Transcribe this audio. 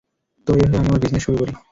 তো এইভাবে আমি আমার বিজনেস শুরু করি।